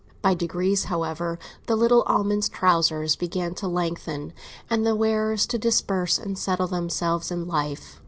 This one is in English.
By degrees, however, the little Almonds' trousers began to lengthen, and the wearers to disperse and settle themselves in life.